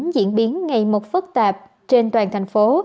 diễn biến ngày một phức tạp trên toàn thành phố